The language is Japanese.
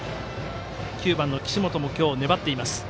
９番の岸本も今日粘っています。